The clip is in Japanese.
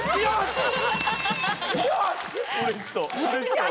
よし！